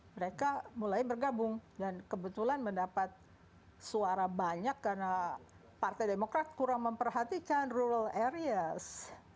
mereka mulai bergabung dan kebetulan mendapat suara banyak karena partai demokrat kurang memperhatikan rural areas